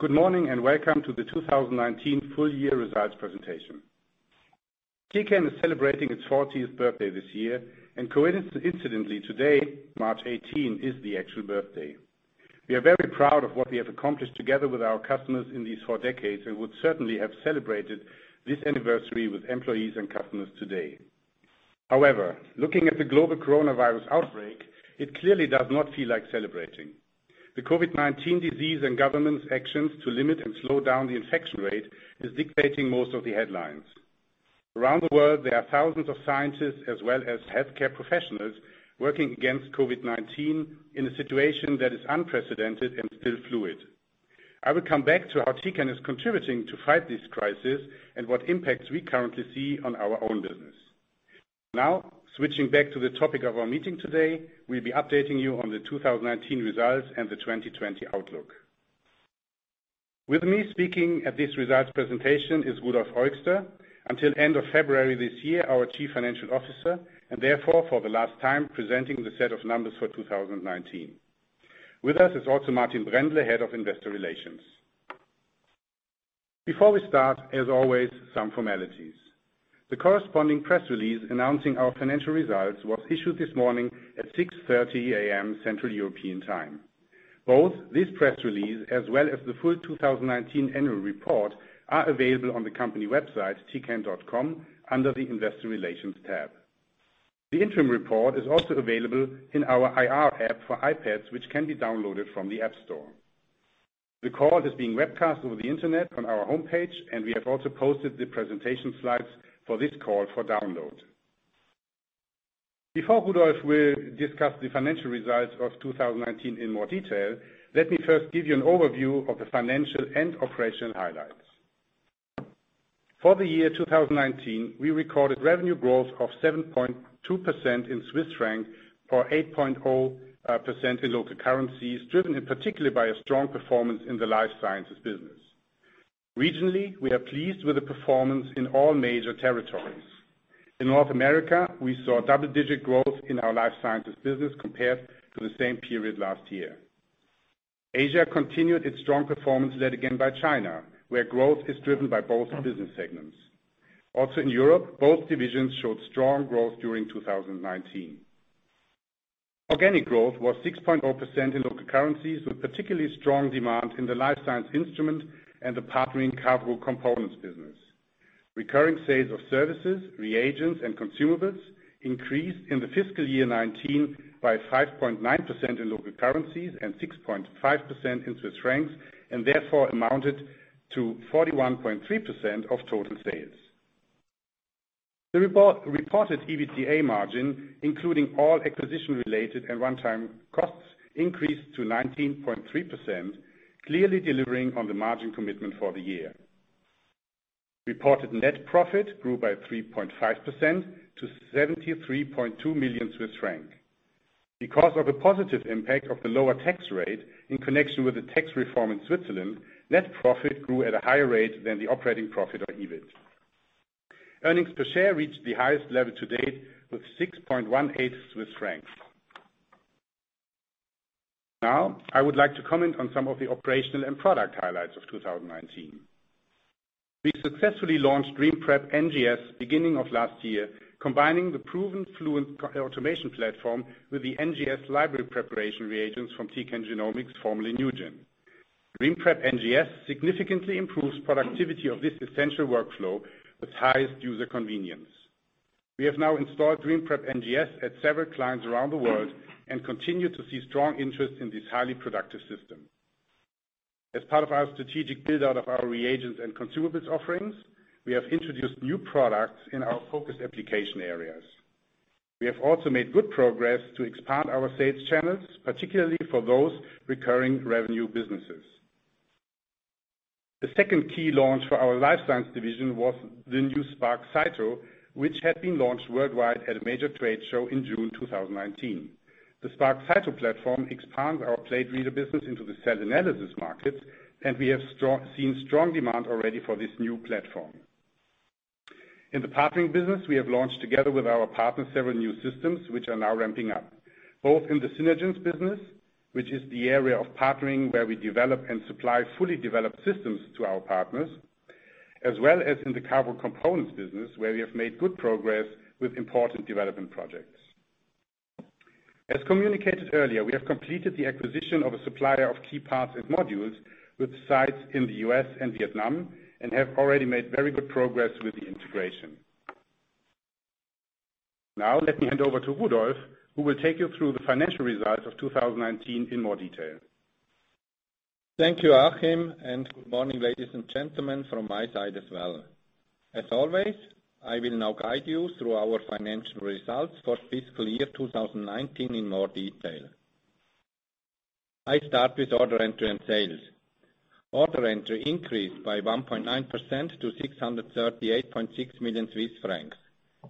Good morning. Welcome to the 2019 full year results presentation. Tecan is celebrating its 40th birthday this year, and coincidentally, today, March 18, is the actual birthday. We are very proud of what we have accomplished together with our customers in these four decades, and would certainly have celebrated this anniversary with employees and customers today. However, looking at the global coronavirus outbreak, it clearly does not feel like celebrating. The COVID-19 disease and government's actions to limit and slow down the infection rate is dictating most of the headlines. Around the world, there are thousands of scientists as well as healthcare professionals working against COVID-19 in a situation that is unprecedented and still fluid. I will come back to how Tecan is contributing to fight this crisis and what impacts we currently see on our own business. Switching back to the topic of our meeting today, we'll be updating you on the 2019 results and the 2020 outlook. With me speaking at this results presentation is Rudolf Eugster, until end of February this year, our Chief Financial Officer, and therefore, for the last time, presenting the set of numbers for 2019. With us is also Martin Brändle, Head of Investor Relations. Before we start, as always, some formalities. The corresponding press release announcing our financial results was issued this morning at 6:30 A.M. Central European time. Both this press release, as well as the full 2019 annual report, are available on the company website, tecan.com, under the investor relations tab. The interim report is also available in our IR app for iPads, which can be downloaded from the App Store. The call is being webcast over the internet on our homepage. We have also posted the presentation slides for this call for download. Before Rudolf will discuss the financial results of 2019 in more detail, let me first give you an overview of the financial and operational highlights. For the year 2019, we recorded revenue growth of 7.2% in CHF or 8.0% in local currencies, driven particularly by a strong performance in the Life Sciences Business. Regionally, we are pleased with the performance in all major territories. In North America, we saw double-digit growth in our Life Sciences Business compared to the same period last year. Asia continued its strong performance, led again by China, where growth is driven by both business segments. In Europe, both divisions showed strong growth during 2019. Organic growth was 6.0% in local currencies, with particularly strong demand in the life science instrument and the Partnering Business core components business. Recurring sales of services, reagents, and consumables increased in the fiscal year 2019 by 5.9% in local currencies and 6.5% in CHF, therefore amounted to 41.3% of total sales. The reported EBITDA margin, including all acquisition-related and one-time costs, increased to 19.3%, clearly delivering on the margin commitment for the year. Reported net profit grew by 3.5% to 73.2 million Swiss francs. Because of the positive impact of the lower tax rate in connection with the tax reform in Switzerland, net profit grew at a higher rate than the operating profit on EBIT. Earnings per share reached the highest level to date with 6.18 Swiss francs. I would like to comment on some of the operational and product highlights of 2019. We successfully launched DreamPrep NGS beginning of last year, combining the proven Fluent automation platform with the NGS library preparation reagents from Tecan Genomics, formerly NuGEN. DreamPrep NGS significantly improves productivity of this essential workflow with highest user convenience. We have now installed DreamPrep NGS at several clients around the world and continue to see strong interest in this highly productive system. As part of our strategic build-out of our reagents and consumables offerings, we have introduced new products in our focused application areas. We have also made good progress to expand our sales channels, particularly for those recurring revenue businesses. The second key launch for our life science division was the new Spark Cyto, which had been launched worldwide at a major trade show in June 2019. The Spark Cyto platform expands our plate reader business into the cell analysis market. We have seen strong demand already for this new platform. In the partnering business, we have launched, together with our partners, several new systems, which are now ramping up, both in the Synergence business, which is the area of partnering where we develop and supply fully developed systems to our partners, as well as in the core components business, where we have made good progress with important development projects. As communicated earlier, we have completed the acquisition of a supplier of key parts and modules with sites in the U.S. and Vietnam and have already made very good progress with the integration. Now, let me hand over to Rudolf, who will take you through the financial results of 2019 in more detail. Thank you, Achim. Good morning, ladies and gentlemen, from my side as well. As always, I will now guide you through our financial results for FY 2019 in more detail. I start with order entry and sales. Order entry increased by 1.9% to 638.6 million Swiss francs.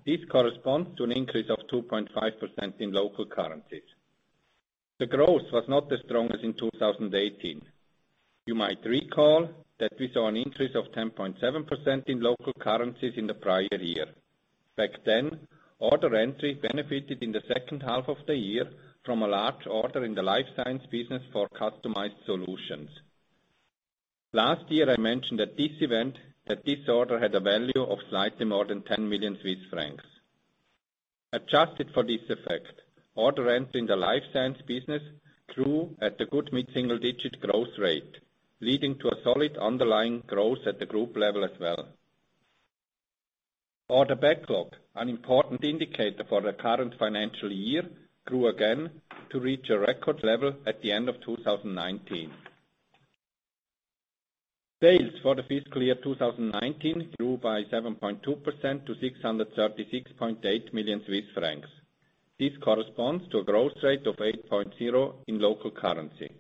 This corresponds to an increase of 2.5% in local currencies. The growth was not as strong as in 2018. You might recall that we saw an increase of 10.7% in local currencies in the prior year. Back then, order entry benefited in the second half of the year from a large order in the Life Sciences Business for customized solutions. Last year, I mentioned at this event that this order had a value of slightly more than 10 million Swiss francs. Adjusted for this effect, order entry in the Life Sciences Business grew at a good mid-single digit growth rate, leading to a solid underlying growth at the group level as well. Order backlog, an important indicator for the current financial year, grew again to reach a record level at the end of 2019. Sales for the fiscal year 2019 grew by 7.2% to 636.8 million Swiss francs. This corresponds to a growth rate of 8.0% in local currency.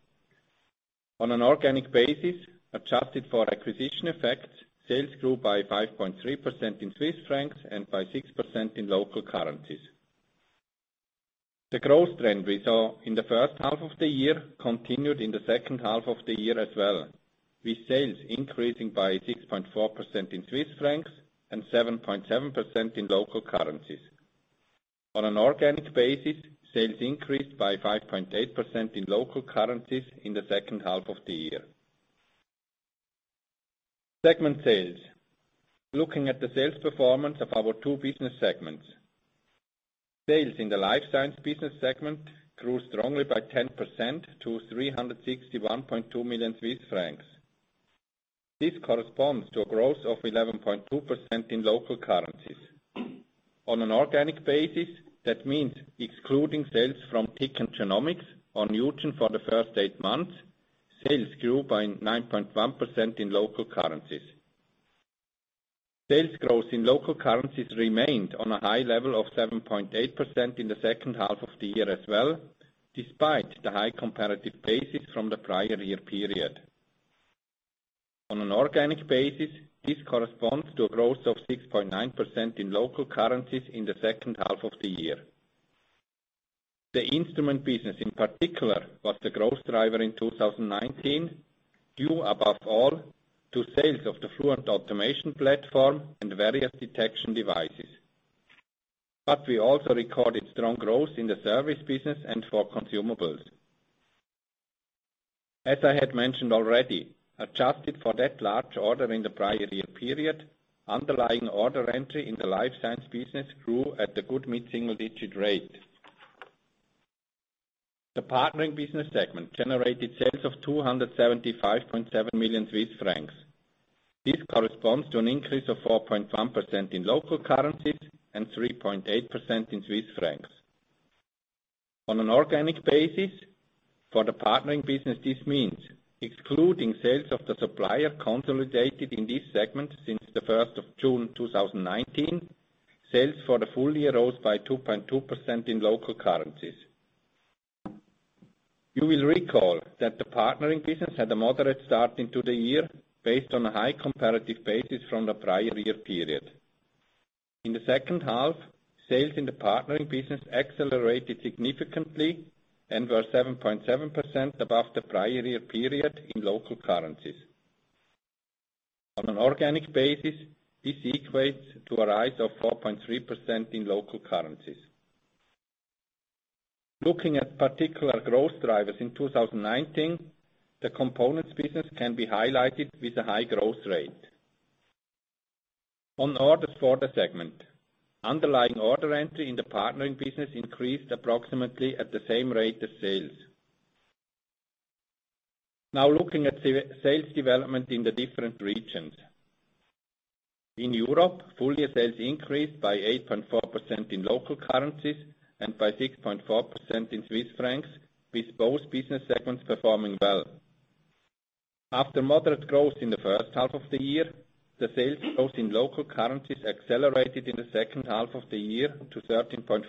On an organic basis, adjusted for acquisition effects, sales grew by 5.3% in CHF and by 6% in local currencies. The growth trend we saw in the first half of the year continued in the second half of the year as well, with sales increasing by 6.4% in CHF and 7.7% in local currencies. On an organic basis, sales increased by 5.8% in local currencies in the second half of the year. Segment sales. Looking at the sales performance of our two business segments. Sales in the Life Sciences Business segment grew strongly by 10% to 361.2 million Swiss francs. This corresponds to a growth of 11.2% in local currencies. On an organic basis, that means excluding sales from Tecan Genomics or NuGEN for the first eight months, sales grew by 9.1% in local currencies. Sales growth in local currencies remained on a high level of 7.8% in the second half of the year as well, despite the high comparative basis from the prior year period. On an organic basis, this corresponds to a growth of 6.9% in local currencies in the second half of the year. The instrument business, in particular, was the growth driver in 2019, due above all to sales of the Fluent automation platform and various detection devices. We also recorded strong growth in the service business and for consumables. As I had mentioned already, adjusted for that large order in the prior year period, underlying order entry in the Life Sciences Business grew at a good mid-single digit rate. The Partnering Business segment generated sales of 275.7 million Swiss francs. This corresponds to an increase of 4.1% in local currencies and 3.8% in CHF. On an organic basis, for the Partnering Business, this means excluding sales of the supplier consolidated in this segment since the 1st of June 2019, sales for the full year rose by 2.2% in local currencies. You will recall that the Partnering Business had a moderate start into the year based on a high comparative basis from the prior year period. In the second half, sales in the Partnering Business accelerated significantly and were 7.7% above the prior year period in local currencies. On an organic basis, this equates to a rise of 4.3% in local currencies. Looking at particular growth drivers in 2019, the components business can be highlighted with a high growth rate. On orders for the segment, underlying order entry in the Partnering Business increased approximately at the same rate as sales. Looking at sales development in the different regions. In Europe, full year sales increased by 8.4% in local currencies and by 6.4% in Swiss francs, with both business segments performing well. After moderate growth in the first half of the year, the sales growth in local currencies accelerated in the second half of the year to 13.5%.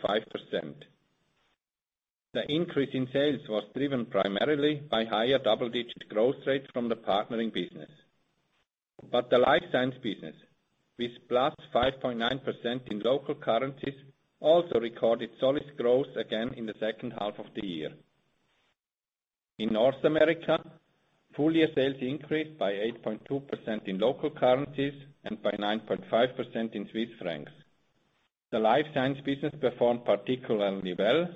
The increase in sales was driven primarily by higher double-digit growth rates from the Partnering Business. The Life Sciences Business, with +5.9% in local currencies, also recorded solid growth again in the second half of the year. In North America, full year sales increased by 8.2% in local currencies and by 9.5% in CHF. The Life Sciences Business performed particularly well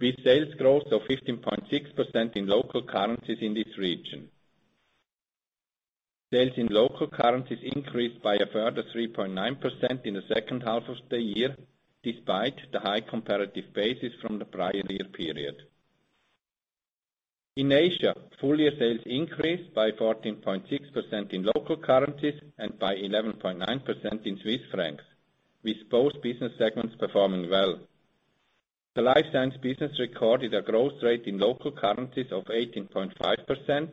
with sales growth of 15.6% in local currencies in this region. Sales in local currencies increased by a further 3.9% in the second half of the year, despite the high comparative basis from the prior year period. In Asia, full year sales increased by 14.6% in local currencies and by 11.9% in CHF, with both business segments performing well. The Life Sciences Business recorded a growth rate in local currencies of 18.5%,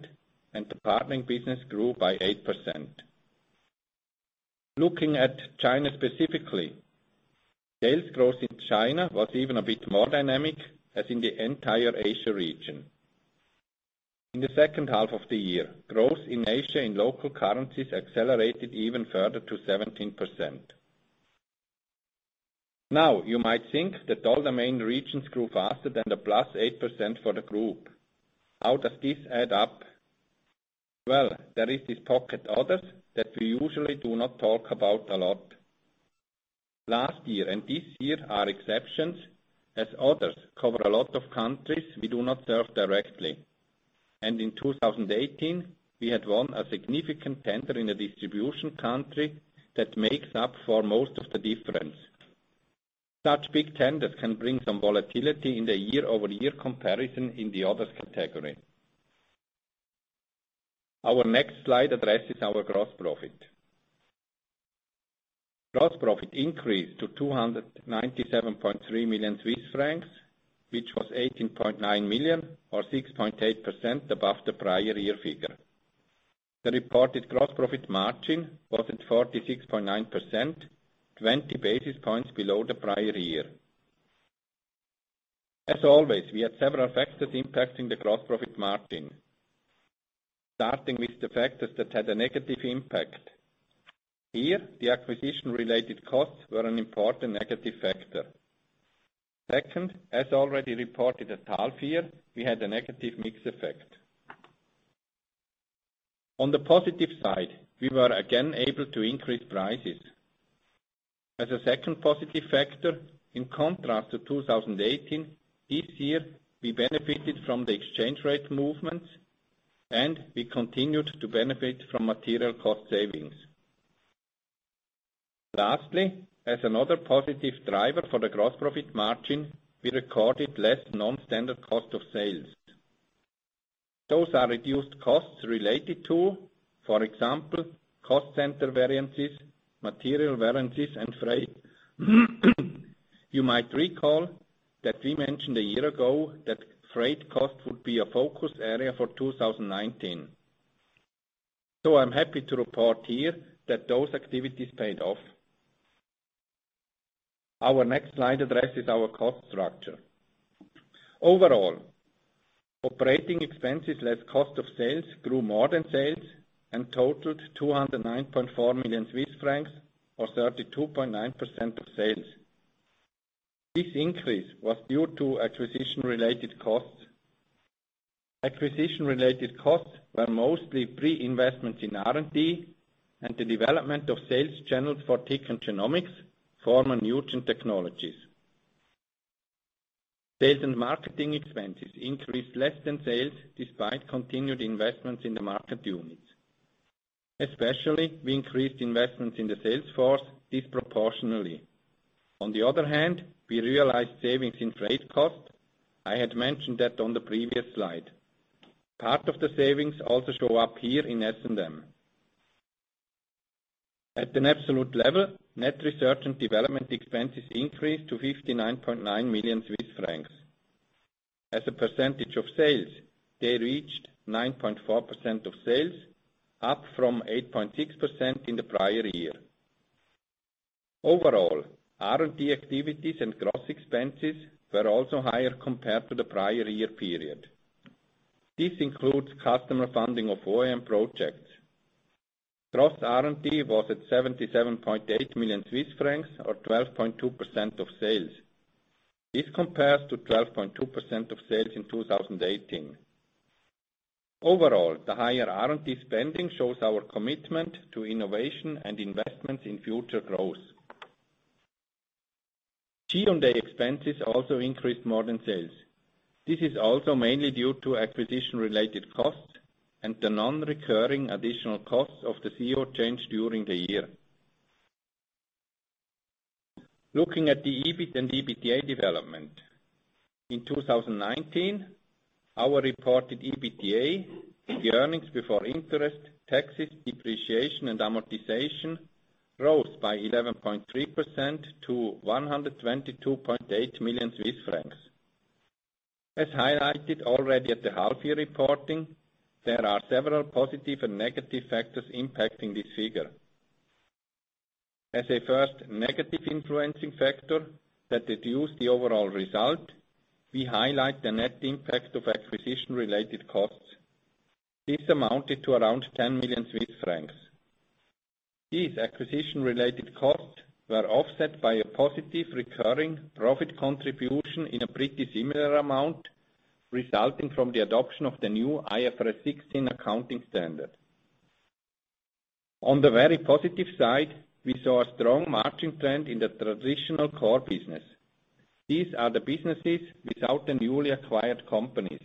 and the Partnering Business grew by 8%. Looking at China specifically, sales growth in China was even a bit more dynamic as in the entire Asia region. In the second half of the year, growth in Asia in local currencies accelerated even further to 17%. You might think that all the main regions grew faster than the +8% for the group. How does this add up? Well, there is this pocket others that we usually do not talk about a lot. Last year and this year are exceptions, as others cover a lot of countries we do not serve directly. In 2018, we had won a significant tender in a distribution country that makes up for most of the difference. Such big tenders can bring some volatility in the year-over-year comparison in the others category. Our next slide addresses our gross profit. Gross profit increased to 297.3 million Swiss francs, which was 18.9 million or 6.8% above the prior year figure. The reported gross profit margin was at 46.9%, 20 basis points below the prior year. As always, we had several factors impacting the gross profit margin. Starting with the factors that had a negative impact. Here, the acquisition-related costs were an important negative factor. Second, as already reported at half year, we had a negative mix effect. On the positive side, we were again able to increase prices. As a second positive factor, in contrast to 2018, this year we benefited from the exchange rate movements and we continued to benefit from material cost savings. Lastly, as another positive driver for the gross profit margin, we recorded less non-standard cost of sales. Those are reduced costs related to, for example, cost center variances, material variances, and freight. You might recall that we mentioned a year ago that freight cost would be a focus area for 2019. I'm happy to report here that those activities paid off. Our next slide addresses our cost structure. Overall, operating expenses, less cost of sales, grew more than sales and totaled 209.4 million Swiss francs or 32.9% of sales. This increase was due to acquisition-related costs. Acquisition-related costs were mostly pre-investments in R&D and the development of sales channels for Tecan Genomics, former NuGen Technologies. Sales and marketing expenses increased less than sales despite continued investments in the market units. Especially, we increased investments in the sales force disproportionally. On the other hand, we realized savings in freight costs. I had mentioned that on the previous slide. Part of the savings also show up here in S&M. At an absolute level, net research and development expenses increased to 59.9 million Swiss francs. As a percentage of sales, they reached 9.4% of sales, up from 8.6% in the prior year. Overall, R&D activities and gross expenses were also higher compared to the prior year period. This includes customer funding of OEM projects. Gross R&D was at 77.8 million Swiss francs or 12.2% of sales. This compares to 12.2% of sales in 2018. Overall, the higher R&D spending shows our commitment to innovation and investments in future growth. G&A expenses also increased more than sales. This is also mainly due to acquisition-related costs and the non-recurring additional costs of the CEO change during the year. Looking at the EBIT and EBITDA development. In 2019, our reported EBITDA, the earnings before interest, taxes, depreciation, and amortization, rose by 11.3% to 122.8 million Swiss francs. As highlighted already at the half year reporting, there are several positive and negative factors impacting this figure. As a first negative influencing factor that reduced the overall result, we highlight the net impact of acquisition-related costs. This amounted to around 10 million Swiss francs. These acquisition-related costs were offset by a positive recurring profit contribution in a pretty similar amount, resulting from the adoption of the new IFRS 16 accounting standard. On the very positive side, we saw a strong margin trend in the traditional core business. These are the businesses without the newly acquired companies.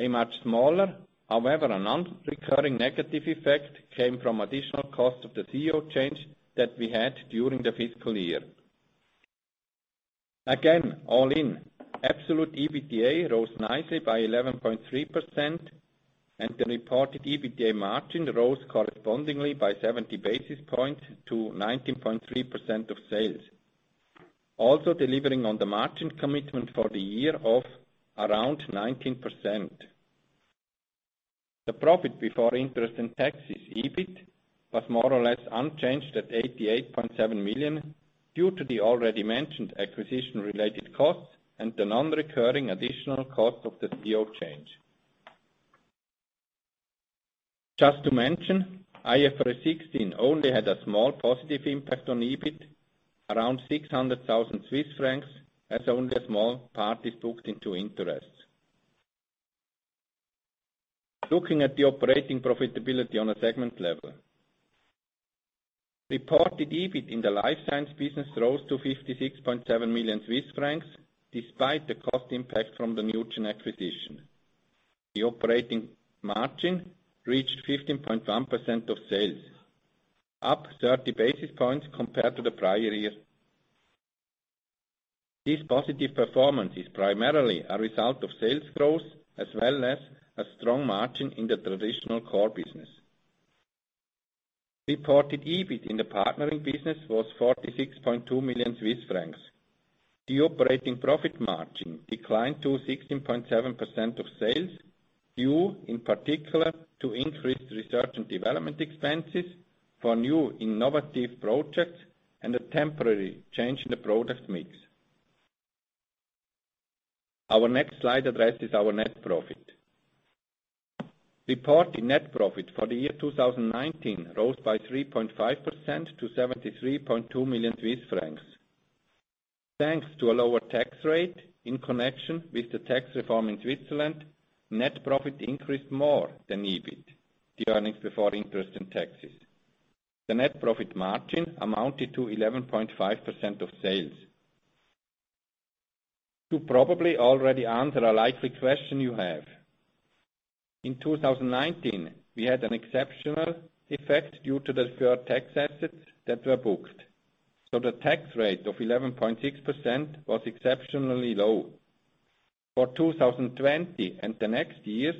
A much smaller, however, a non-recurring negative effect came from additional cost of the CEO change that we had during the fiscal year. Again, all in, absolute EBITDA rose nicely by 11.3% and the reported EBITDA margin rose correspondingly by 70 basis points to 19.3% of sales. Also delivering on the margin commitment for the year of around 19%. The profit before interest in taxes, EBIT, was more or less unchanged at 88.7 million due to the already mentioned acquisition-related costs and the non-recurring additional cost of the CEO change. Just to mention, IFRS 16 only had a small positive impact on EBIT, around 600,000 Swiss francs, as only a small part is booked into interest. Looking at the operating profitability on a segment level. Reported EBIT in the Life Sciences Business rose to 56.7 million Swiss francs, despite the cost impact from the NuGEN acquisition. The operating margin reached 15.1% of sales, up 30 basis points compared to the prior year. This positive performance is primarily a result of sales growth, as well as a strong margin in the traditional core business. Reported EBIT in the Partnering Business was 46.2 million Swiss francs. The operating profit margin declined to 16.7% of sales, due in particular to increased research and development expenses for new innovative projects and a temporary change in the product mix. Our next slide addresses our net profit. Reported net profit for the year 2019 rose by 3.5% to 73.2 million Swiss francs. Thanks to a lower tax rate in connection with the tax reform in Switzerland, net profit increased more than EBIT, the earnings before interest and taxes. The net profit margin amounted to 11.5% of sales. To probably already answer a likely question you have. In 2019, we had an exceptional effect due to deferred tax assets that were booked. The tax rate of 11.6% was exceptionally low. For 2020 and the next years,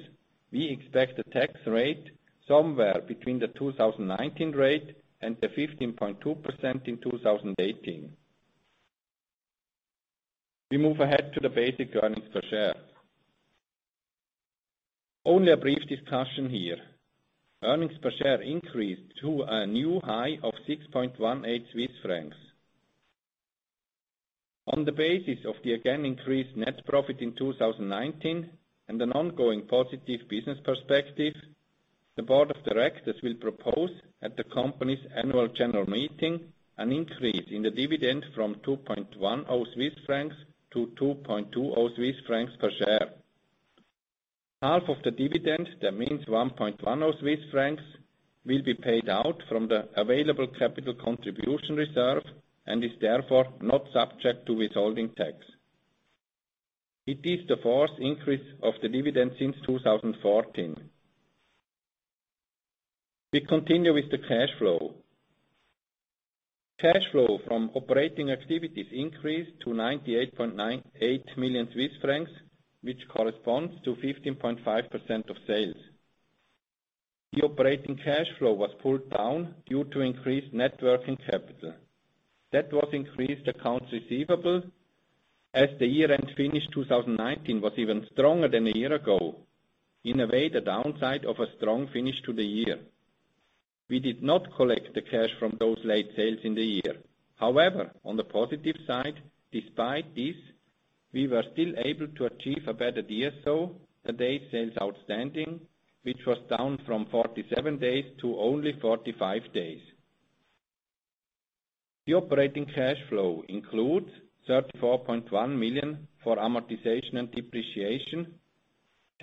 we expect the tax rate somewhere between the 2019 rate and the 15.2% in 2018. We move ahead to the basic earnings per share. Only a brief discussion here. Earnings per share increased to a new high of 6.18 Swiss francs. On the basis of the again increased net profit in 2019 and an ongoing positive business perspective, the board of directors will propose at the company's annual general meeting an increase in the dividend from 2.10 Swiss francs to 2.20 Swiss francs per share. Half of the dividend, that means 1.10 Swiss francs, will be paid out from the available capital contribution reserve and is therefore not subject to withholding tax. It is the fourth increase of the dividend since 2014. We continue with the cash flow. Cash flow from operating activities increased to 98.98 million Swiss francs, which corresponds to 15.5% of sales. The operating cash flow was pulled down due to increased net working capital. That was increased accounts receivable as the year-end finish 2019 was even stronger than a year ago. In a way, the downside of a strong finish to the year. We did not collect the cash from those late sales in the year. However, on the positive side, despite this, we were still able to achieve a better DSO, the days sales outstanding, which was down from 47 days to only 45 days. The operating cash flow includes 34.1 million for amortization and depreciation,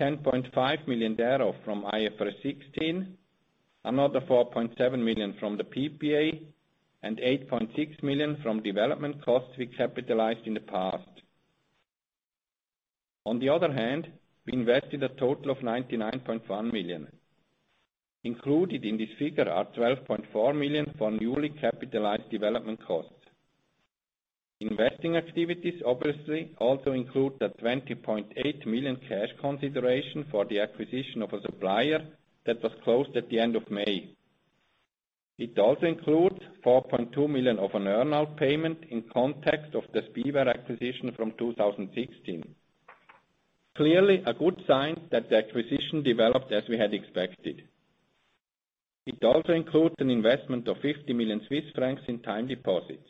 10.5 million thereof from IFRS 16, another 4.7 million from the PPA, and 8.6 million from development costs we capitalized in the past. On the other hand, we invested a total of 99.1 million. Included in this figure are 12.4 million for newly capitalized development costs. Investing activities obviously also include the 20.8 million cash consideration for the acquisition of a supplier that was closed at the end of May. It also includes 4.2 million of an earn-out payment in context of the SPEware acquisition from 2016. Clearly a good sign that the acquisition developed as we had expected. It also includes an investment of 50 million Swiss francs in time deposits.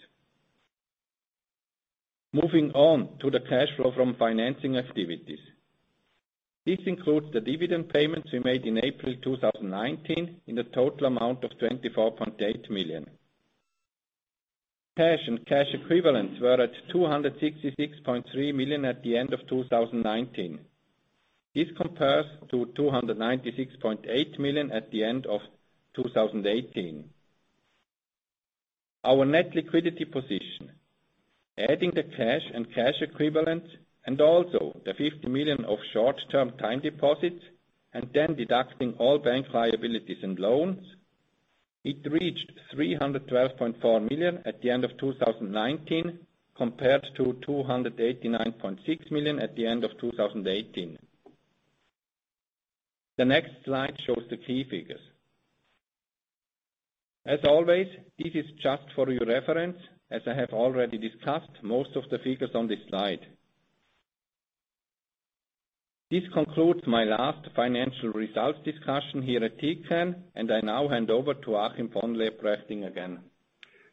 Moving on to the cash flow from financing activities. This includes the dividend payments we made in April 2019 in the total amount of 24.8 million. Cash and cash equivalents were at 266.3 million at the end of 2019. This compares to 296.8 million at the end of 2018. Our net liquidity position, adding the cash and cash equivalents and also the 50 million of short-term time deposits, and then deducting all bank liabilities and loans, it reached 312.4 million at the end of 2019, compared to 289.6 million at the end of 2018. The next slide shows the key figures. As always, this is just for your reference, as I have already discussed most of the figures on this slide. This concludes my last financial results discussion here at Tecan, and I now hand over to Achim von Leoprechting again.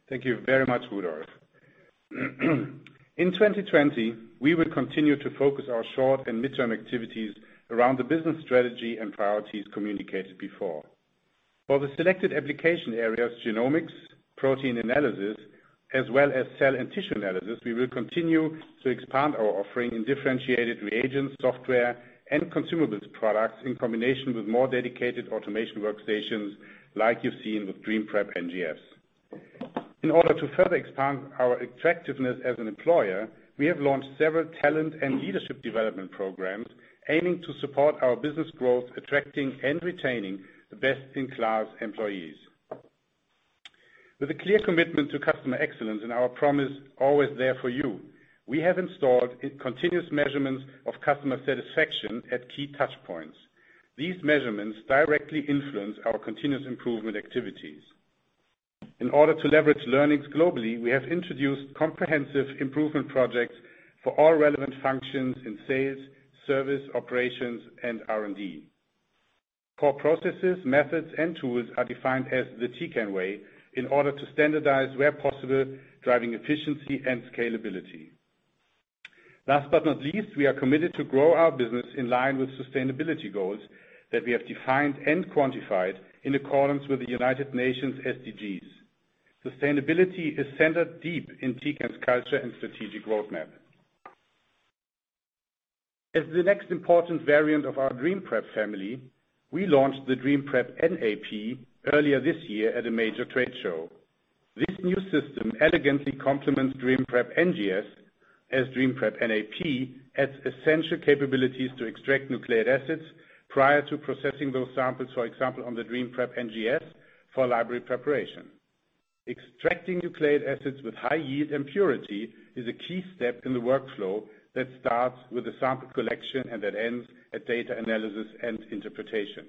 Thank you very much, Rudolf. In 2020, we will continue to focus our short and midterm activities around the business strategy and priorities communicated before. For the selected application areas, genomics, protein analysis, as well as cell and tissue analysis, we will continue to expand our offering in differentiated reagents, software, and consumables products in combination with more dedicated automation workstations like you've seen with DreamPrep NGS. In order to further expand our attractiveness as an employer, we have launched several talent and leadership development programs aiming to support our business growth, attracting and retaining the best-in-class employees. With a clear commitment to customer excellence and our promise, always there for you, we have installed continuous measurements of customer satisfaction at key touchpoints. These measurements directly influence our continuous improvement activities. In order to leverage learnings globally, we have introduced comprehensive improvement projects for all relevant functions in sales, service, operations, and R&D. Core processes, methods, and tools are defined as the Tecan way in order to standardize where possible, driving efficiency and scalability. Last but not least, we are committed to growing our business in line with sustainability goals that we have defined and quantified in accordance with the United Nations SDGs. Sustainability is centered deep in Tecan's culture and strategic roadmap. As the next important variant of our DreamPrep family, we launched the DreamPrep NAP earlier this year at a major trade show. This new system elegantly complements DreamPrep NGS, as DreamPrep NAP has essential capabilities to extract nucleic acids prior to processing those samples, for example, on the DreamPrep NGS for library preparation. Extracting nucleic acids with high yield purity is a key step in the workflow that starts with sample collection and that ends at data analysis and interpretation.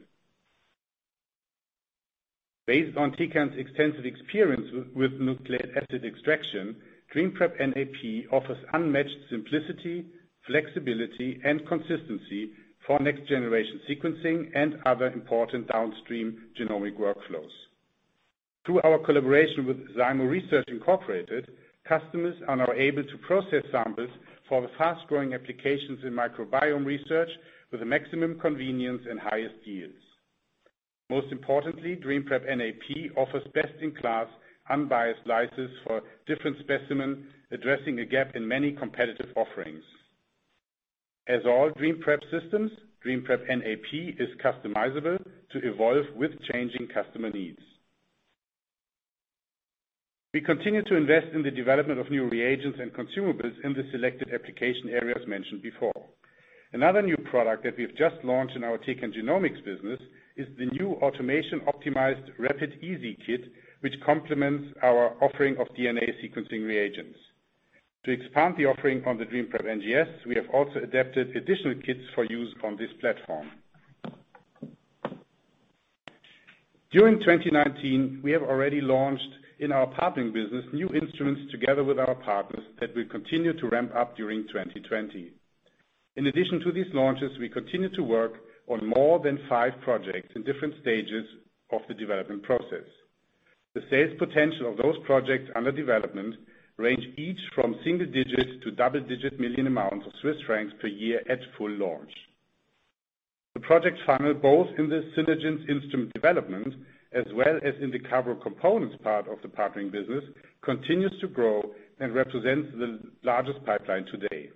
Based on Tecan's extensive experience with nucleic acid extraction, DreamPrep NAP offers unmatched simplicity, flexibility, and consistency for next-generation sequencing and other important downstream genomic workflows. Through our collaboration with Zymo Research Corp., customers are now able to process samples for the fast-growing applications in microbiome research with maximum convenience and highest yields. Most importantly, DreamPrep NAP offers best-in-class unbiased lysis for different specimens, addressing a gap in many competitive offerings. As all DreamPrep systems, DreamPrep NAP is customizable to evolve with changing customer needs. We continue to invest in the development of new reagents and consumables in the selected application areas mentioned before. Another new product that we've just launched in our Tecan Genomics business is the new automation-optimized Rapid Easy Kit, which complements our offering of DNA sequencing reagents. To expand the offering on the DreamPrep NGS, we have also adapted additional kits for use on this platform. During 2019, we have already launched in our Partnering Business, new instruments together with our partners that will continue to ramp up during 2020. In addition to these launches, we continue to work on more than five projects in different stages of the development process. The sales potential of those projects under development range each from single digits to double-digit million amounts of CHF per year at full launch. The project funnel, both in the Synergence instrument development as well as in the core components part of the Partnering Business, continues to grow and represents the largest pipeline today.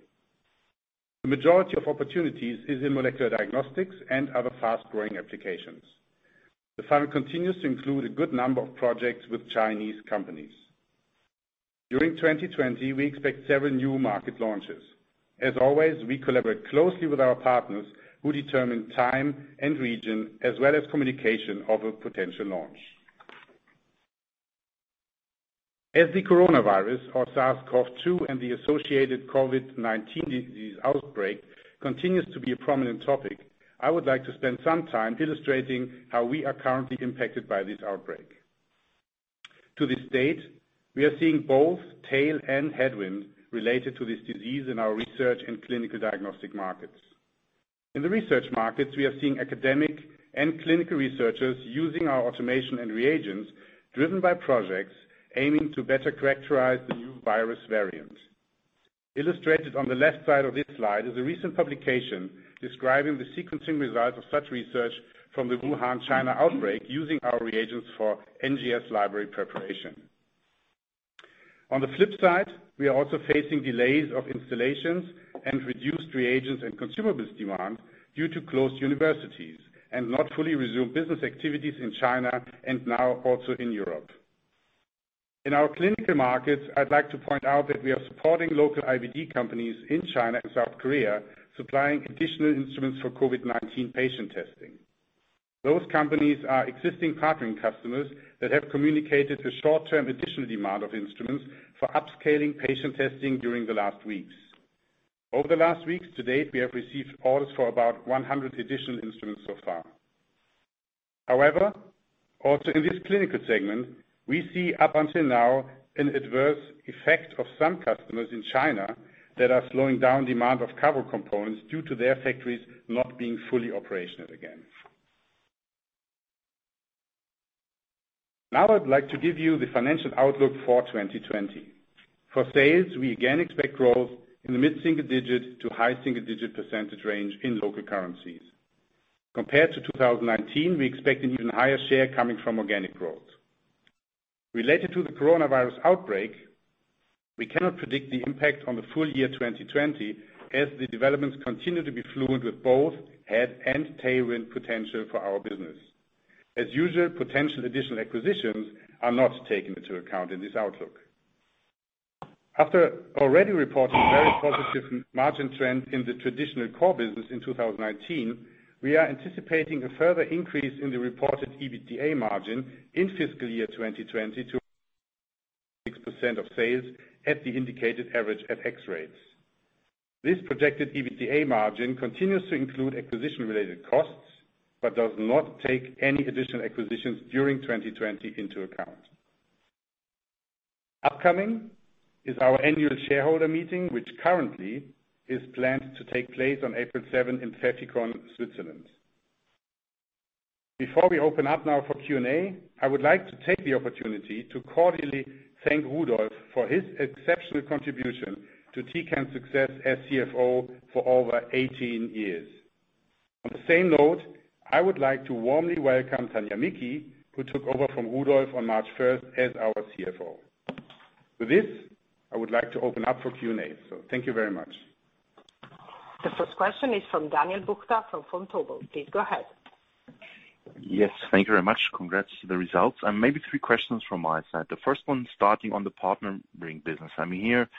The majority of opportunities is in molecular diagnostics and other fast-growing applications. The funnel continues to include a good number of projects with Chinese companies. During 2020, we expect several new market launches. As always, we collaborate closely with our partners, who determine time and region, as well as communication of a potential launch. As the coronavirus or SARS-CoV-2 and the associated COVID-19 disease outbreak continues to be a prominent topic, I would like to spend some time illustrating how we are currently impacted by this outbreak. To this date, we are seeing both tail and headwind related to this disease in our research and clinical diagnostic markets. In the research markets, we are seeing academic and clinical researchers using our automation and reagents driven by projects aiming to better characterize the new virus variant. Illustrated on the left side of this slide is a recent publication describing the sequencing results of such research from the Wuhan, China, outbreak using our reagents for NGS library preparation. On the flip side, we are also facing delays of installations and reduced reagents and consumables demand due to closed universities and not fully resumed business activities in China and now also in Europe. In our clinical markets, I'd like to point out that we are supporting local IVD companies in China and South Korea, supplying additional instruments for COVID-19 patient testing. Those companies are existing partnering customers that have communicated the short-term additional demand of instruments for upscaling patient testing during the last weeks. Over the last weeks to date, we have received orders for about 100 additional instruments so far. However, also in this clinical segment, we see up until now an adverse effect of some customers in China that are slowing down demand of core components due to their factories not being fully operational again. Now I'd like to give you the financial outlook for 2020. For sales, we again expect growth in the mid-single-digit to high single-digit percentage range in local currencies. Compared to 2019, we expect an even higher share coming from organic growth. Related to the coronavirus outbreak, we cannot predict the impact on the full year 2020, as the developments continue to be fluid with both head and tailwind potential for our business. As usual, potential additional acquisitions are not taken into account in this outlook. After already reporting very positive margin trends in the traditional core business in 2019, we are anticipating a further increase in the reported EBITDA margin in fiscal year 2020 to 19.6% of sales at the indicated average FX rates. This projected EBITDA margin continues to include acquisition-related costs but does not take any additional acquisitions during 2020 into account. Upcoming is our annual shareholder meeting, which currently is planned to take place on April 7 in Vernier, Switzerland. Before we open up now for Q&A, I would like to take the opportunity to cordially thank Rudolf for his exceptional contribution to Tecan's success as CFO for over 18 years. On the same note, I would like to warmly welcome Tania Micki, who took over from Rudolf on March 1st as our CFO. For this, I would like to open up for Q&A. Thank you very much. The first question is from Daniel Buchta from Vontobel. Please go ahead. Yes, thank you very much. Congrats to the results. Maybe three questions from my side. The first one starting on the Partnering Business. I mean, here,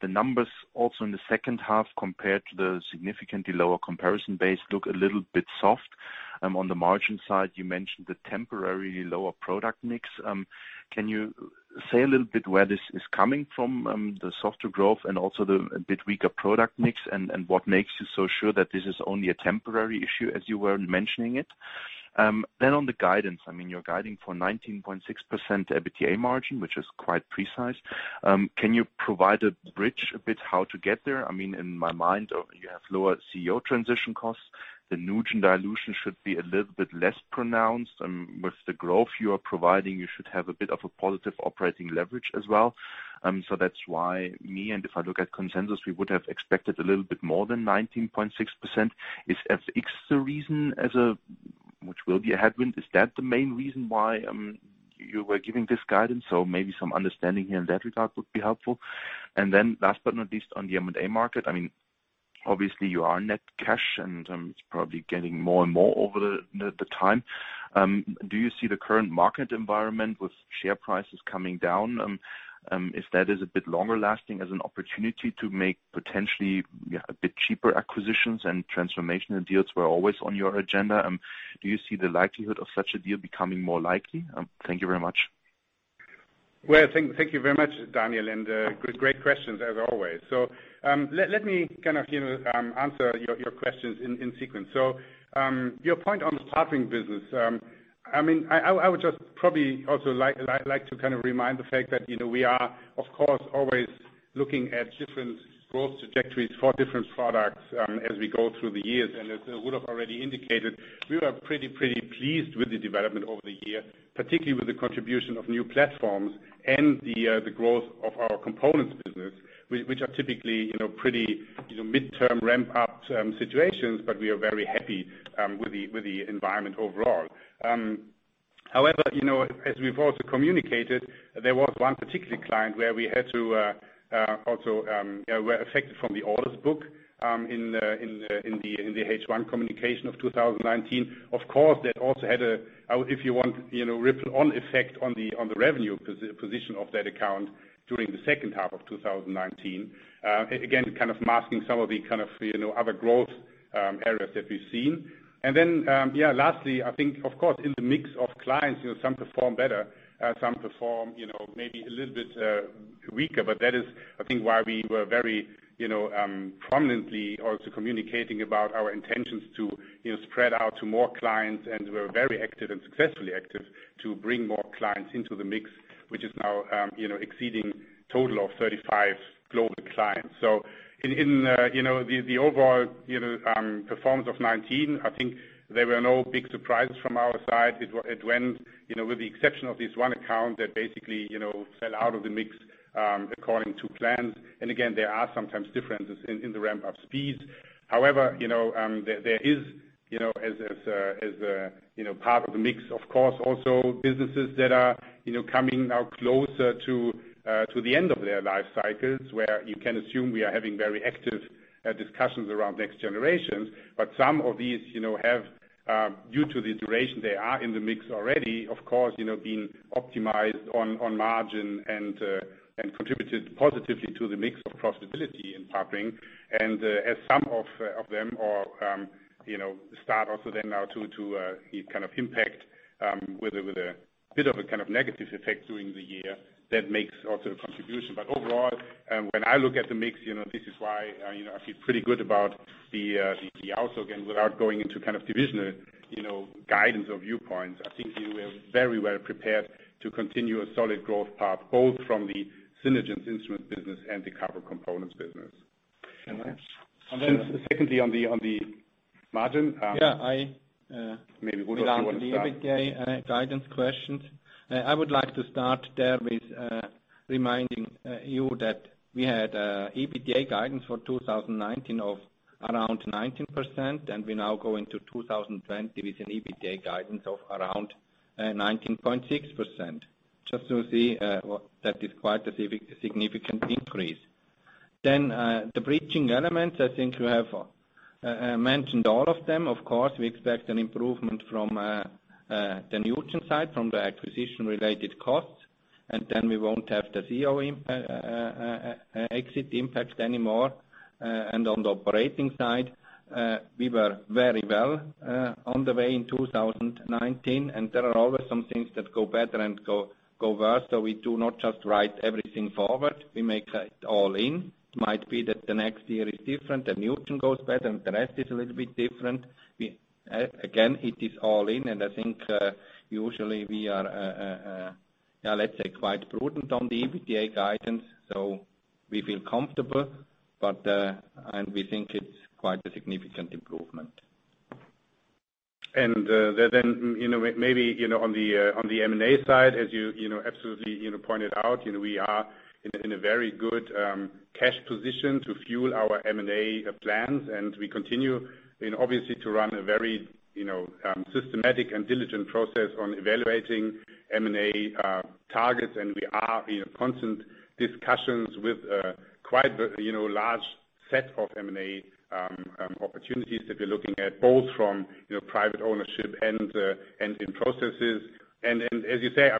the numbers also in the second half compared to the significantly lower comparison base look a little bit soft. On the margin side, you mentioned the temporarily lower product mix. Can you say a little bit where this is coming from, the softer growth and also the bit weaker product mix, and what makes you so sure that this is only a temporary issue as you were mentioning it? On the guidance, I mean, you're guiding for 19.6% EBITDA margin, which is quite precise. Can you provide a bridge a bit how to get there? I mean, in my mind, you have lower CEO transition costs. The NuGEN dilution should be a little bit less pronounced. With the growth you are providing, you should have a bit of a positive operating leverage as well. That's why me, and if I look at consensus, we would have expected a little bit more than 19.6%. Is FX the reason, which will be a headwind, is that the main reason why you were giving this guidance? Maybe some understanding here in that regard would be helpful. Last but not least, on the M&A market, obviously you are net cash, and it's probably getting more and more over the time. Do you see the current market environment with share prices coming down, if that is a bit longer lasting as an opportunity to make potentially a bit cheaper acquisitions and transformational deals were always on your agenda? Do you see the likelihood of such a deal becoming more likely? Thank you very much. Well, thank you very much, Daniel, and great questions as always. Let me answer your questions in sequence. Your point on the Partnering Business. I would just probably also like to remind the fact that we are, of course, always looking at different growth trajectories for different products as we go through the years. As Rudolf already indicated, we were pretty pleased with the development over the year, particularly with the contribution of new platforms and the growth of our components business, which are typically pretty midterm ramp-up situations, but we are very happy with the environment overall. However, as we've also communicated, there was one particular client where we had to also were affected from the orders book in the H1 communication of 2019. Of course, that also had a, if you want, ripple on effect on the revenue position of that account during the second half of 2019. Kind of masking some of the other growth areas that we've seen. Lastly, I think, of course, in the mix of clients, some perform better, some perform maybe a little bit weaker, but that is I think why we were very prominently also communicating about our intentions to spread out to more clients, and we're very active and successfully active to bring more clients into the mix, which is now exceeding total of 35 global clients. In the overall performance of 2019, I think there were no big surprises from our side. It went with the exception of this one account that basically fell out of the mix according to plans. There are sometimes differences in the ramp-up speeds. However, there is, as a part of the mix, of course, also businesses that are coming now closer to the end of their life cycles, where you can assume we are having very active discussions around next generations. But some of these have, due to the duration they are in the mix already, of course being optimized on margin and contributed positively to the mix of profitability in Partnering Business. And as some of them start also then now to hit kind of impact with a bit of a kind of negative effect during the year, that makes also a contribution. But overall, when I look at the mix, this is why I feel pretty good about the outlook. Without going into kind of divisional guidance or viewpoints, I think we are very well prepared to continue a solid growth path, both from the Synergence instrument business and the core components business. Regarding the EBITDA guidance questions, I would like to start there with reminding you that we had EBITDA guidance for 2019 of around 19%, and we now go into 2020 with an EBITDA guidance of around 19.6%. Just so you see, that is quite a significant increase. The bridging elements, I think you have mentioned all of them. Of course, we expect an improvement from the NuGEN side, from the acquisition-related costs, and then we won't have the XIO exit impact anymore. On the operating side, we were very well on the way in 2019, and there are always some things that go better and go worse. We do not just write everything forward. We make it all in. Might be that the next year is different, and NuGEN goes better, and the rest is a little bit different. It is all in, and I think, usually, we are, let's say, quite prudent on the EBITDA guidance, so we feel comfortable. We think it's quite a significant improvement. Maybe on the M&A side, as you absolutely pointed out, we are in a very good cash position to fuel our M&A plans. We continue, obviously, to run a very systematic and diligent process on evaluating M&A targets. We are in constant discussions with quite the large set of M&A opportunities that we're looking at, both from private ownership and in processes. As you say,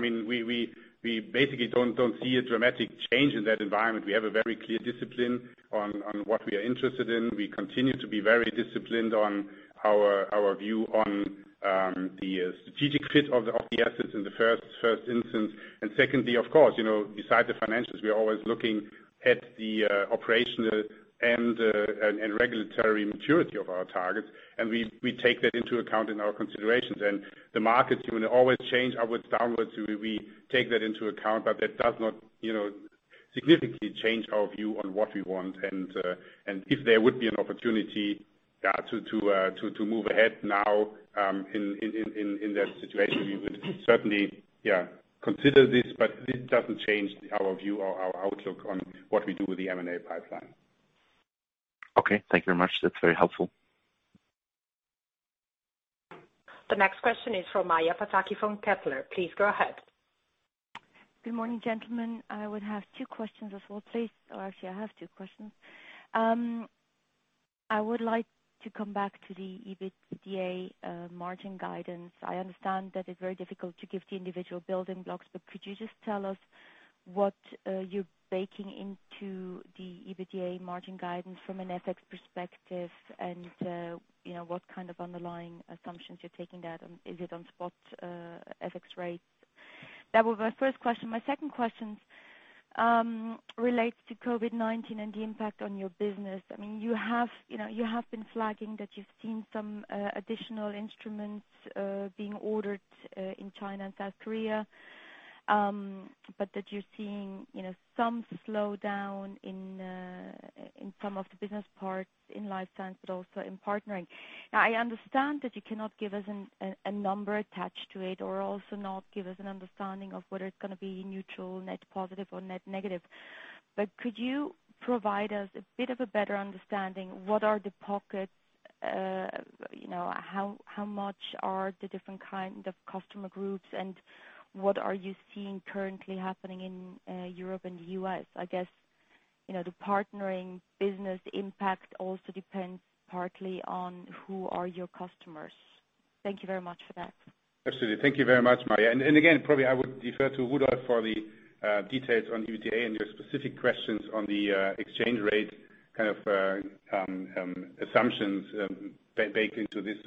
we basically don't see a dramatic change in that environment. We have a very clear discipline on what we are interested in. We continue to be very disciplined on our view on the strategic fit of the assets in the first instance. Secondly, of course, beside the financials, we are always looking at the operational and regulatory maturity of our targets, and we take that into account in our considerations. The markets will always change upwards, downwards. We take that into account, but that does not significantly change our view on what we want. If there would be an opportunity to move ahead now in that situation, we would certainly, yeah, consider this. This doesn't change our view or our outlook on what we do with the M&A pipeline. Okay. Thank you very much. That's very helpful. The next question is from Maja Pataki from Kepler. Please go ahead. Good morning, gentlemen. I would have two questions as well, please. Actually, I have two questions. I would like to come back to the EBITDA margin guidance. I understand that it's very difficult to give the individual building blocks, could you just tell us what you're baking into the EBITDA margin guidance from an FX perspective and what kind of underlying assumptions you're taking that on? Is it on spot FX rates? That was my first question. My second question relates to COVID-19 and the impact on your business. You have been flagging that you've seen some additional instruments being ordered in China and South Korea, but that you're seeing some slowdown in some of the business parts in Life Sciences, but also in partnering. I understand that you cannot give us a number attached to it or also not give us an understanding of whether it's going to be neutral, net positive or net negative. Could you provide us a bit of a better understanding, what are the pockets? How much are the different kind of customer groups, and what are you seeing currently happening in Europe and the U.S.? I guess, the Partnering Business impact also depends partly on who are your customers. Thank you very much for that. Absolutely. Thank you very much, Maja. Probably I would defer to Rudolf for the details on EBITDA and your specific questions on the exchange rate kind of assumptions baked into this.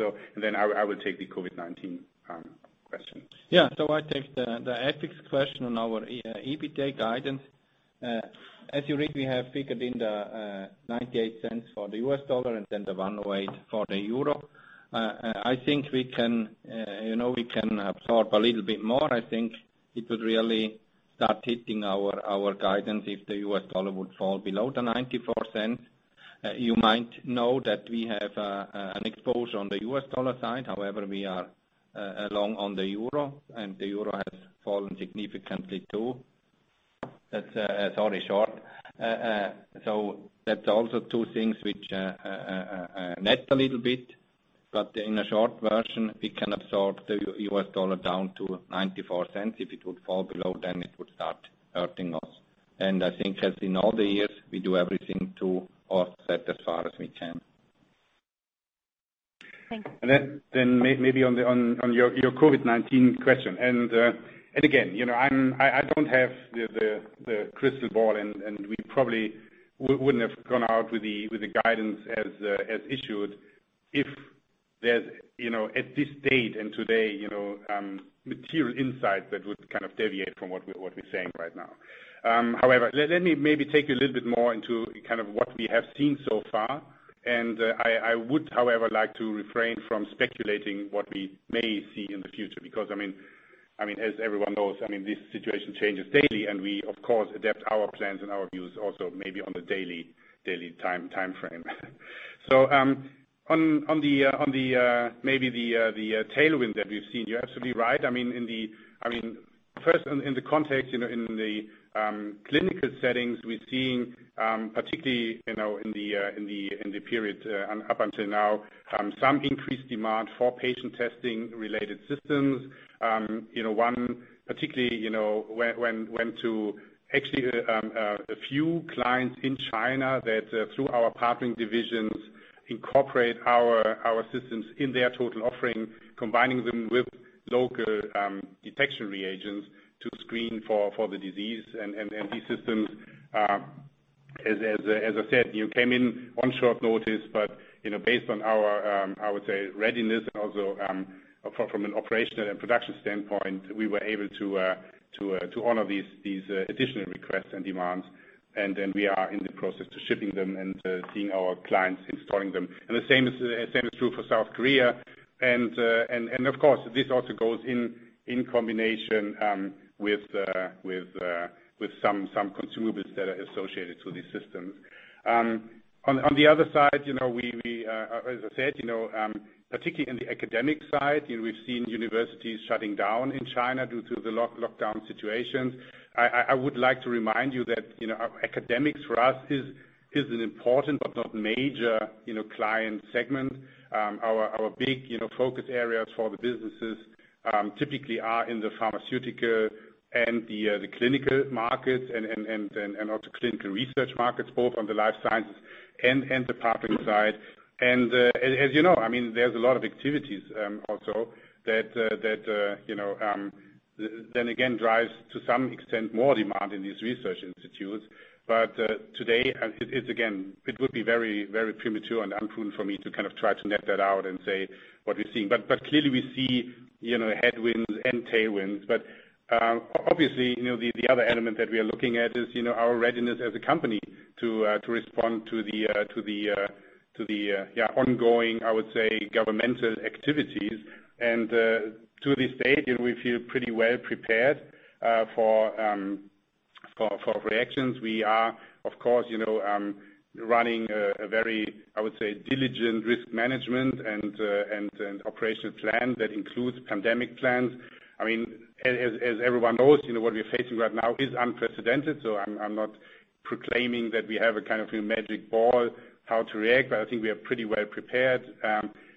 I will take the COVID-19 question. I take the FX question on our EBITDA guidance. As you read, we have figured in the $0.98 for the U.S. dollar, the 1.08 for the euro. I think we can absorb a little bit more. I think it would really start hitting our guidance if the U.S. dollar would fall below the $0.94. You might know that we have an exposure on the U.S. dollar side. However, we are long on the euro, the euro has fallen significantly, too. Sorry, short. That's also two things which net a little bit. In a short version, we can absorb the U.S. dollar down to $0.94. If it would fall below, it would start hurting us. I think as in all the years, we do everything to offset as far as we can. Then maybe on your COVID-19 question. Again, I don't have the crystal ball, and we probably wouldn't have gone out with the guidance as issued if there's, at this date and today, material insight that would kind of deviate from what we're saying right now. However, let me maybe take you a little bit more into kind of what we have seen so far. I would, however, like to refrain from speculating what we may see in the future, because, I mean, as everyone knows, this situation changes daily and we of course adapt our plans and our views also maybe on the daily time frame. On maybe the tailwind that we've seen, you're absolutely right. First, in the context in the clinical settings, we're seeing, particularly in the period up until now, some increased demand for patient testing-related systems. One particularly went to actually a few clients in China that, through our partnering divisions, incorporate our systems in their total offering, combining them with local detection reagents to screen for the disease. These systems, as I said, came in on short notice, but based on our, I would say, readiness also from an operational and production standpoint, we were able to honor these additional requests and demands. We are in the process of shipping them and seeing our clients installing them. The same is true for South Korea. Of course, this also goes in combination with some consumables that are associated to these systems. On the other side, as I said, particularly in the academic side, we've seen universities shutting down in China due to the lockdown situation. I would like to remind you that academics for us is an important but not major client segment. Our big focus areas for the businesses typically are in the pharmaceutical and the clinical markets and also clinical research markets, both on the life sciences and the partnering side. As you know, there's a lot of activities also that then again drives, to some extent, more demand in these research institutes. Today, it would be very premature and unfruitful for me to kind of try to net that out and say what we're seeing. Clearly we see headwinds and tailwinds. Obviously, the other element that we are looking at is our readiness as a company to respond to the ongoing, I would say, governmental activities. To this date, we feel pretty well prepared for reactions. We are, of course, running a very, I would say, diligent risk management and operational plan that includes pandemic plans. As everyone knows, what we're facing right now is unprecedented, so I'm not proclaiming that we have a kind of magic ball how to react. I think we are pretty well prepared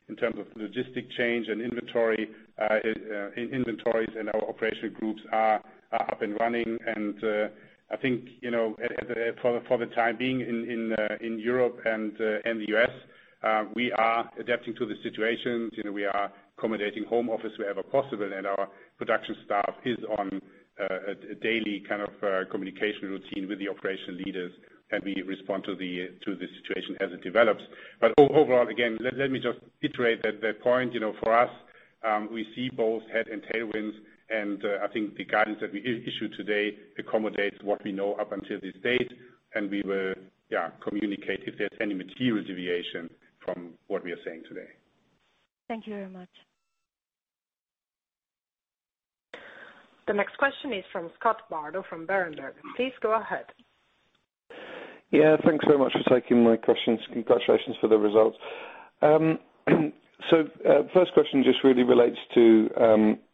in terms of logistic change and inventories, and our operation groups are up and running. I think, for the time being in Europe and the U.S., we are adapting to the situations. We are accommodating home office wherever possible, and our production staff is on a daily kind of communication routine with the operation leaders, and we respond to the situation as it develops. Overall, again, let me just iterate that the point, for us, we see both head and tailwinds, and I think the guidance that we issued today accommodates what we know up until this date, and we will communicate if there's any material deviation from what we are saying today. Thank you very much. The next question is from Scott Bardo from Berenberg. Please go ahead. Yeah, thanks very much for taking my questions. Congratulations for the results. First question just really relates to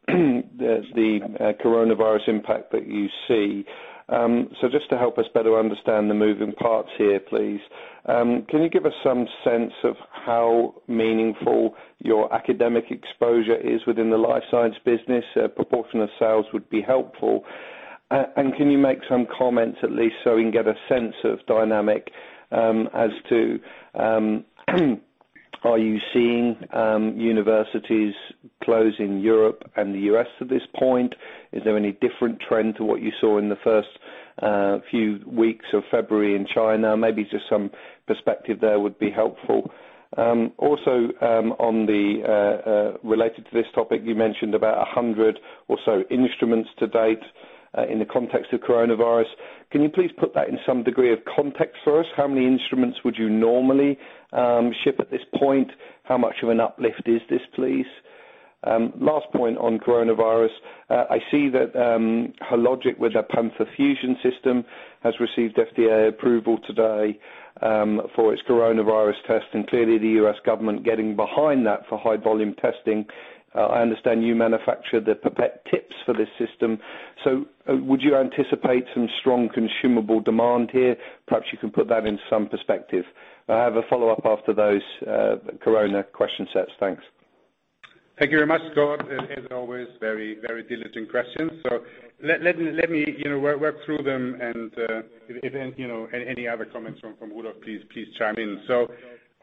the coronavirus impact that you see. Just to help us better understand the moving parts here, please. Can you give us some sense of how meaningful your academic exposure is within the Life Sciences Business? A proportion of sales would be helpful. Can you make some comments at least so we can get a sense of dynamic as to are you seeing universities close in Europe and the U.S. at this point? Is there any different trend to what you saw in the first few weeks of February in China? Maybe just some perspective there would be helpful. Also, related to this topic, you mentioned about 100 or so instruments to date, in the context of coronavirus. Can you please put that in some degree of context for us? How many instruments would you normally ship at this point? How much of an uplift is this, please? Last point on coronavirus. I see that Hologic, with their Panther Fusion system, has received FDA approval today for its coronavirus test, and clearly the U.S. government getting behind that for high-volume testing. I understand you manufacture the pipette tips for this system. Would you anticipate some strong consumable demand here? Perhaps you can put that in some perspective. I have a follow-up after those corona question sets. Thanks. Thank you very much, Scott. As always, very diligent questions. Let me work through them and if any other comments from Rudolf, please chime in.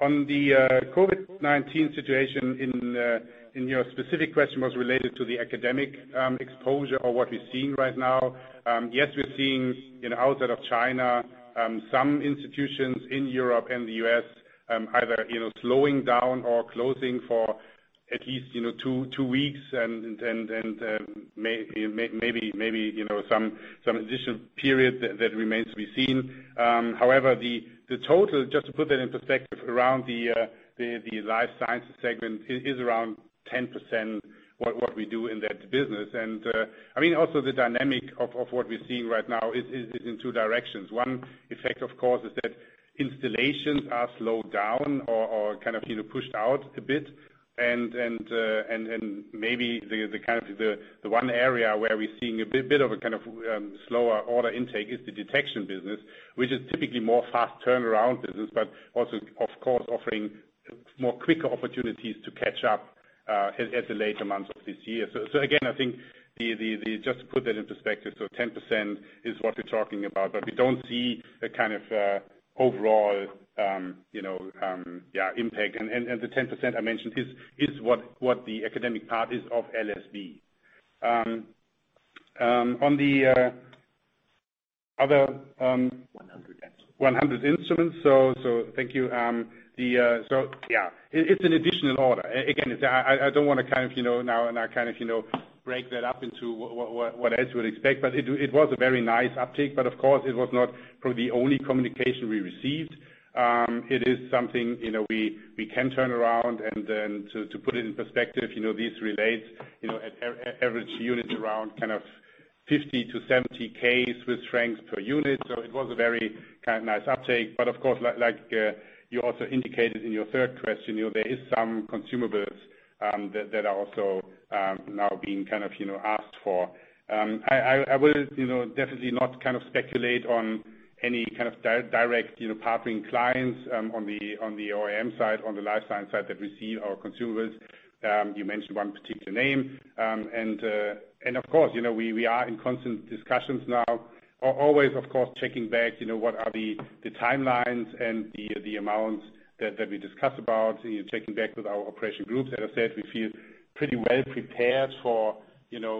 On the COVID-19 situation, your specific question was related to the academic exposure or what we're seeing right now. Yes, we're seeing, outside of China, some institutions in Europe and the U.S. either slowing down or closing for at least two weeks and maybe some additional period that remains to be seen. However, the total, just to put that in perspective, around the Life Sciences segment is around 10% what we do in that business. Also the dynamic of what we're seeing right now is in two directions. One effect, of course, is that installations are slowed down or kind of pushed out a bit. Maybe the one area where we're seeing a bit of a slower order intake is the detection business, which is typically more fast turnaround business, but also, of course, offering more quicker opportunities to catch up at the later months of this year. Again, I think, just to put that in perspective, so 10% is what we're talking about, but we don't see a kind of overall impact. The 10% I mentioned is what the academic part is of LSB. 100 instruments, Thank you. It's an additional order. I don't want to now break that up into what else you would expect. It was a very nice uptake. It was not probably the only communication we received. It is something we can turn around. To put it in perspective, this relates at average units around kind of 50,000-70,000 Swiss francs per unit. It was a very nice uptake. Like you also indicated in your third question, there is some consumables that are also now being asked for. I will definitely not speculate on any kind of direct partnering clients on the OEM side, on the life science side that receive our consumables. You mentioned one particular name. We are in constant discussions now. Always, of course, checking back, what are the timelines and the amounts that we discussed about, checking back with our operation groups. As I said, we feel pretty well prepared for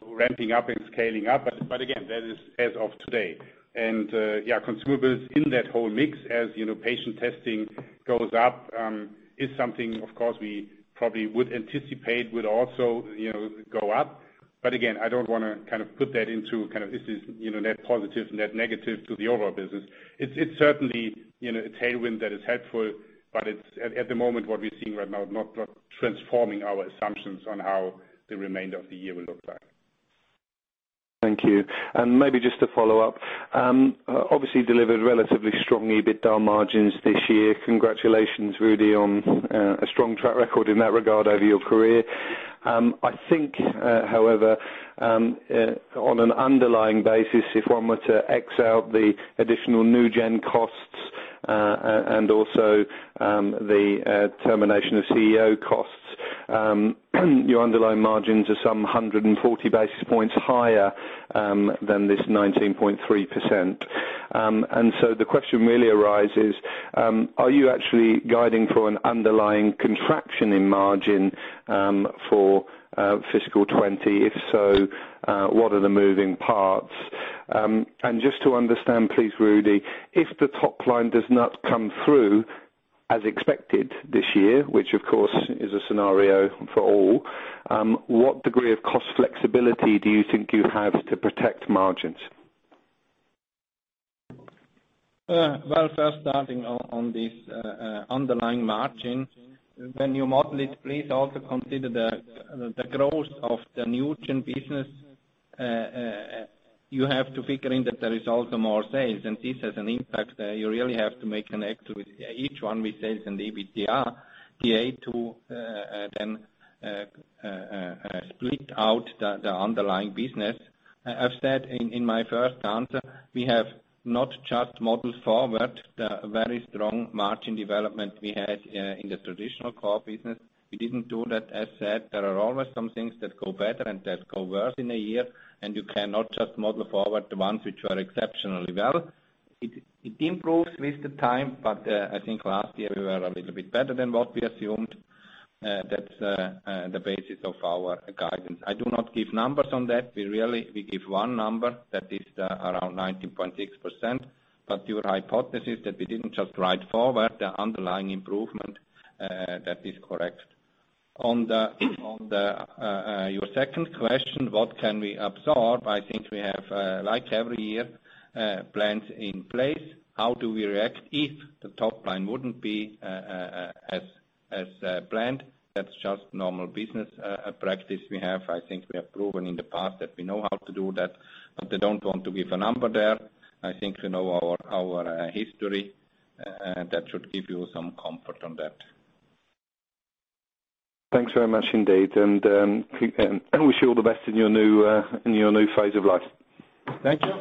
ramping up and scaling up. Again, that is as of today. Consumables in that whole mix, as patient testing goes up, is something, of course, we probably would anticipate would also go up. Again, I don't want to put that into kind of this is net positive, net negative to the overall business. It's certainly a tailwind that is helpful, but at the moment, what we're seeing right now, not transforming our assumptions on how the remainder of the year will look like. Thank you. Maybe just to follow up. Obviously delivered relatively strong EBITDA margins this year. Congratulations, Rudi, on a strong track record in that regard over your career. I think, however, on an underlying basis, if one were to X out the additional NuGEN costs and also the termination of CEO costs, your underlying margins are some 140 basis points higher than this 19.3%. The question really arises, are you actually guiding for an underlying contraction in margin for FY 2020? If so, what are the moving parts? Just to understand, please, Rudi, if the top line does not come through as expected this year, which of course is a scenario for all, what degree of cost flexibility do you think you have to protect margins? First starting on this underlying margin. When you model it, please also consider the growth of the NuGEN business. You have to figure in that there is also more sales, and this has an impact. You really have to make an X with each one with sales and EBITDA, to then split out the underlying business. I've said in my first answer, we have not just modeled forward the very strong margin development we had in the traditional core business. We didn't do that. As said, there are always some things that go better and that go worse in a year, and you cannot just model forward the ones which are exceptionally well. It improves with the time, but I think last year we were a little bit better than what we assumed. That's the basis of our guidance. I do not give numbers on that. We give one number, that is around 19.6%. Your hypothesis that we didn't just write forward the underlying improvement, that is correct. On your second question, what can we absorb? I think we have, like every year, plans in place. How do we react if the top line wouldn't be as planned? That's just normal business practice we have. I think we have proven in the past that we know how to do that, but I don't want to give a number there. I think you know our history. That should give you some comfort on that. Thanks very much indeed. Wish you all the best in your new phase of life. Thank you.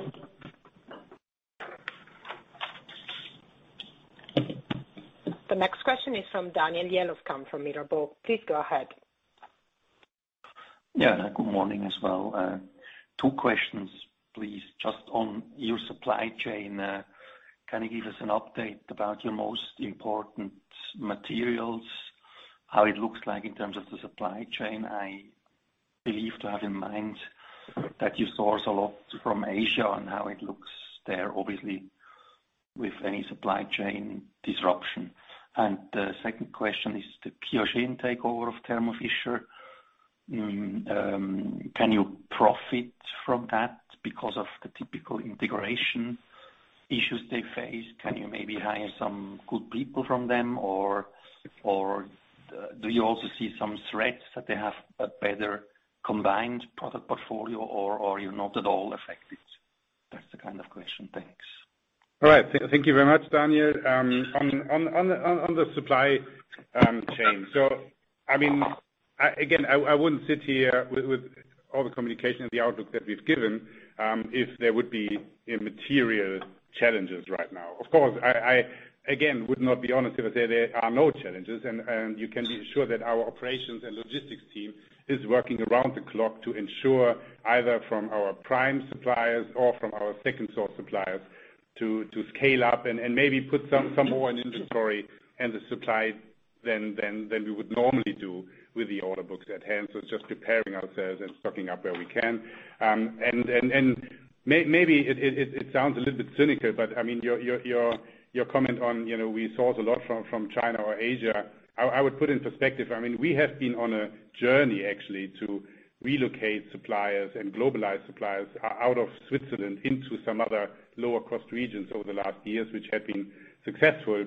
The next question is from Daniel Jelovcan from Mirabaud. Please go ahead. Yeah. Good morning as well. Two questions, please. Just on your supply chain, can you give us an update about your most important materials, how it looks like in terms of the supply chain? I believe to have in mind that you source a lot from Asia and how it looks there, obviously with any supply chain disruption. The second question is the QIAGEN takeover of Thermo Fisher. Can you profit from that because of the typical integration issues they face? Can you maybe hire some good people from them, or do you also see some threats that they have a better combined product portfolio or are you not at all affected? That's the kind of question. Thanks. All right. Thank you very much, Daniel. On the supply chain, again, I wouldn't sit here with all the communication and the outlook that we've given, if there would be immaterial challenges right now. Of course, I, again, would not be honest if I say there are no challenges, and you can be sure that our operations and logistics team is working around the clock to ensure either from our prime suppliers or from our second-source suppliers to scale up and maybe put some more in inventory and the supply than we would normally do with the order books at hand. It's just preparing ourselves and stocking up where we can. Maybe it sounds a little bit cynical, but your comment on we source a lot from China or Asia. I would put in perspective, we have been on a journey actually to relocate suppliers and globalize suppliers out of Switzerland into some other lower cost regions over the last years, which have been successful.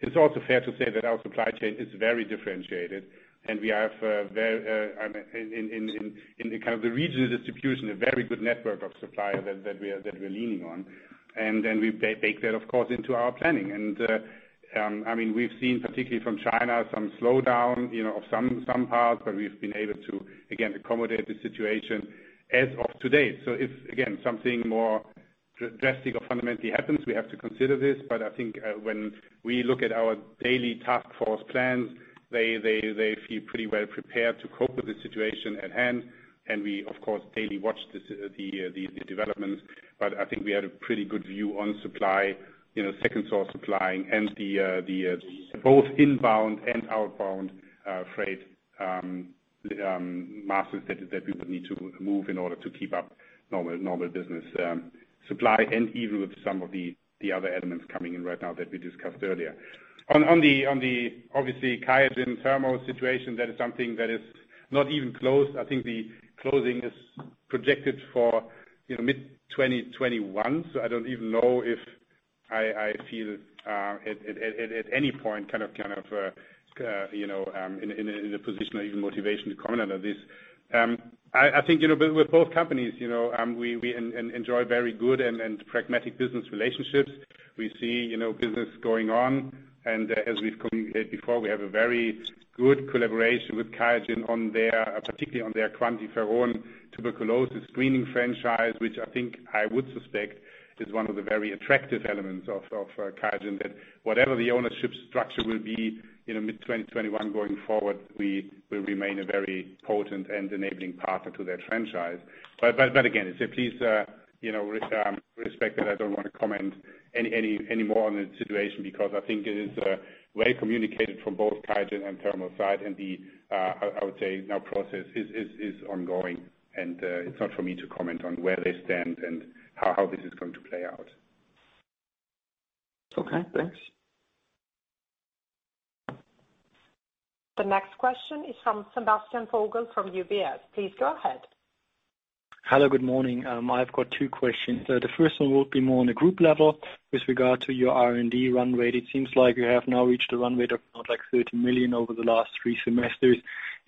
It's also fair to say that our supply chain is very differentiated, and we have, in the kind of the regional distribution, a very good network of suppliers that we're leaning on. We bake that, of course, into our planning. We've seen, particularly from China, some slowdown of some parts, but we've been able to, again, accommodate the situation as of to date. If, again, something more drastic or fundamentally happens, we have to consider this, but I think when we look at our daily task force plans, they feel pretty well prepared to cope with the situation at hand. We, of course, daily watch the developments. I think we had a pretty good view on supply, second-source supplying and the both inbound and outbound freight masses that we would need to move in order to keep up normal business supply and even with some of the other elements coming in right now that we discussed earlier. On the obviously QIAGEN Thermo situation, that is something that is not even closed. I think the closing is projected for mid-2021. I don't even know if I feel at any point, kind of in a position or even motivation to comment on this. With both companies, I think we enjoy very good and pragmatic business relationships. We see business going on. As we've communicated before, we have a very good collaboration with QIAGEN, particularly on their QuantiFERON tuberculosis screening franchise, which I think I would suspect is one of the very attractive elements of QIAGEN that whatever the ownership structure will be mid-2021 going forward, we will remain a very potent and enabling partner to their franchise. Please respect that I don't want to comment any more on the situation because I think it is well communicated from both QIAGEN and Thermo's side. I would say now process is ongoing and it's not for me to comment on where they stand and how this is going to play out. Okay, thanks. The next question is from Sebastian Vogel from UBS. Please go ahead. Hello, good morning. I've got two questions. The first one will be more on a group level with regard to your R&D run rate. It seems like you have now reached a run rate of around 30 million over the last three semesters.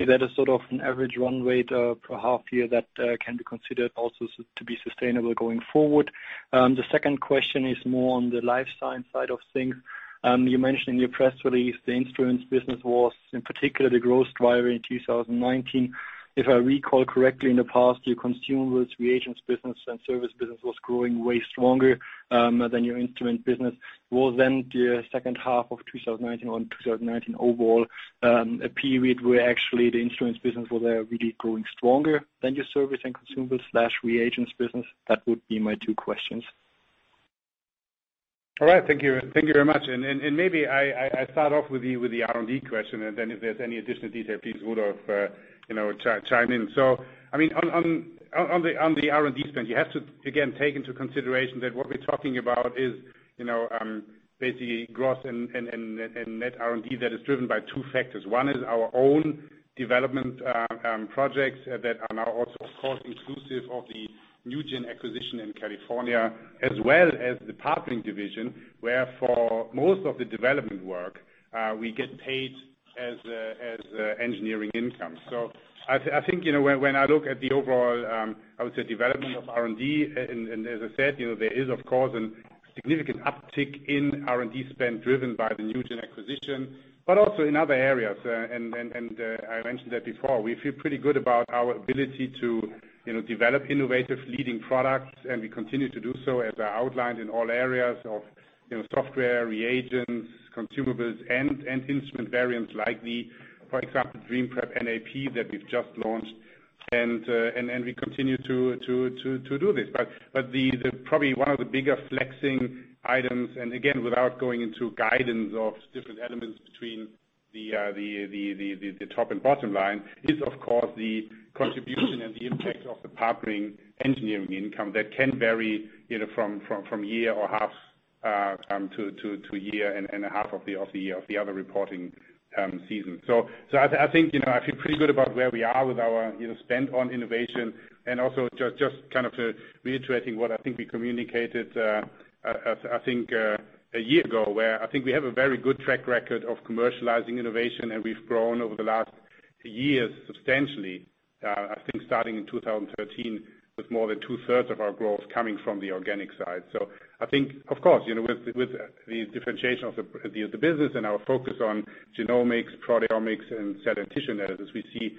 Is that a sort of an average run rate per half year that can be considered also to be sustainable going forward? The second question is more on the life science side of things. You mentioned in your press release the instruments business was in particular the growth driver in 2019. If I recall correctly, in the past, your consumables, reagents business and service business was growing way stronger than your instrument business. Was the second half of 2019 or 2019 overall, a period where actually the instruments business was really growing stronger than your service and consumable/reagents business? That would be my two questions. All right. Thank you very much. Maybe I start off with the R&D question, and then if there's any additional detail, please, Rudolf chime in. On the R&D spend, you have to again, take into consideration that what we're talking about is basically gross and net R&D that is driven by two factors. One is our own development projects that are now also, of course, inclusive of the NuGEN acquisition in California, as well as the Partnering Business, where for most of the development work we get paid as engineering income. I think when I look at the overall I would say development of R&D, and as I said, there is of course a significant uptick in R&D spend driven by the NuGEN acquisition, but also in other areas. I mentioned that before, we feel pretty good about our ability to develop innovative leading products, we continue to do so as I outlined in all areas of software, reagents, consumables and instrument variants like the, for example, DreamPrep NAP that we've just launched. We continue to do this. Probably one of the bigger flexing items, and again, without going into guidance of different elements between the top and bottom line is, of course, the contribution and the impact of the partnering engineering income that can vary from year or half to year and a half of the other reporting season. I think I feel pretty good about where we are with our spend on innovation and also just reiterating what I think we communicated, I think a year ago, where I think we have a very good track record of commercializing innovation, and we've grown over the last years substantially, I think starting in 2013, with more than two-thirds of our growth coming from the organic side. I think, of course, with the differentiation of the business and our focus on genomics, proteomics, and cell and tissue analysis, we see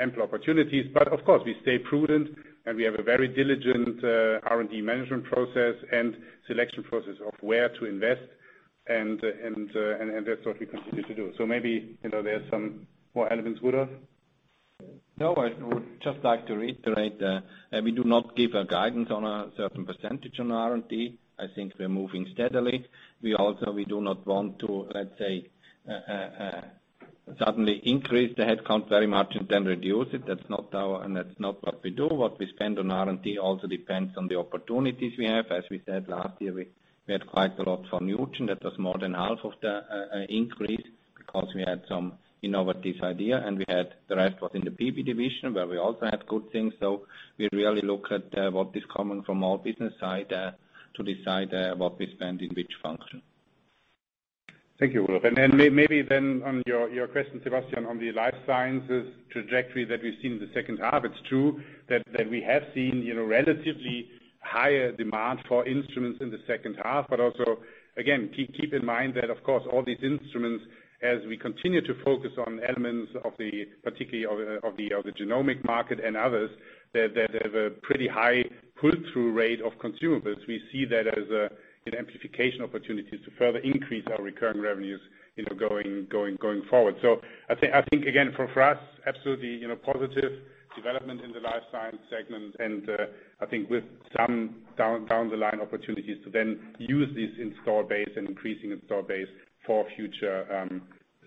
ample opportunities. Of course, we stay prudent and we have a very diligent R&D management process and selection process of where to invest and that's what we continue to do. Maybe there's some more elements. Rudolf? No, I would just like to reiterate that we do not give a guidance on a certain percentage on R&D. I think we're moving steadily. We also do not want to, let's say, suddenly increase the headcount very much and then reduce it. That's not what we do. What we spend on R&D also depends on the opportunities we have. As we said last year, we had quite a lot for NuGEN. That was more than half of the increase because we had some innovative idea, and the rest was in the PB division where we also had good things. We really look at what is coming from our business side to decide what we spend in which function. Thank you, Rudolf. Maybe on your question, Sebastian, on the life sciences trajectory that we've seen in the second half, it's true that we have seen relatively higher demand for instruments in the second half. Also, again, keep in mind that, of course, all these instruments, as we continue to focus on elements particularly of the genomic market and others, that have a pretty high pull-through rate of consumables. We see that as an amplification opportunity to further increase our recurring revenues going forward. I think, again, for us, absolutely positive development in the life science segment and I think with some down the line opportunities to then use this installed base and increasing installed base for future